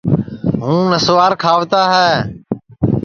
ہُوں نسوار کھاوتا ہے